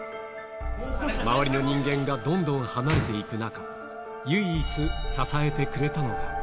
周りの人間がどんどん離れていく中、唯一、支えてくれたのが。